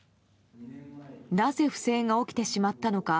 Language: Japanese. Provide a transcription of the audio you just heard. なぜ不正が起きてしまったのか。